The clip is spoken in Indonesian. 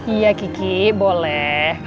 iya kiki boleh